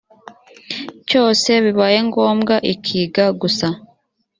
cyose bibaye ngombwa ikiga gusa